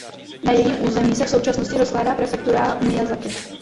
Na jejím území se v současnosti rozkládá prefektura Mijazaki.